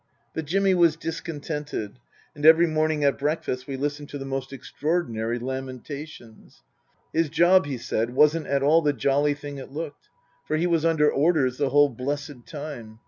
But Jimmy was discontented, and every morning at breakfast we listened to the most extraordinary lamenta tions. His job, he said, wasn't at all the jolly thing it looked. For he was under orders the whole blessed time.